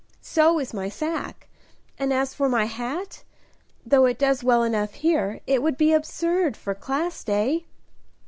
So is my sacque; and as for my hat, though it does well enough here, it would be absurd for Class Day."